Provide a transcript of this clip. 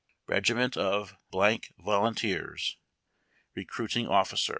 Regiment of Volunteers. Recruiting Officer.